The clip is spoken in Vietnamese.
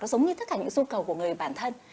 nó giống như tất cả những dung cầu của người bản thân